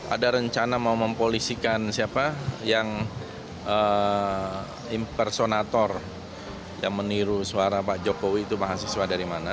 ada rencana mau mempolisikan siapa yang impersonator yang meniru suara pak jokowi itu mahasiswa dari mana